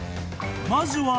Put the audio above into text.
［まずは］